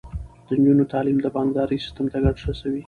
د نجونو تعلیم د بانکدارۍ سیستم ته ګټه رسوي.